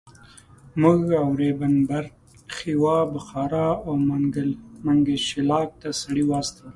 موږ اورینبرګ، خیوا، بخارا او منګیشلاک ته سړي واستول.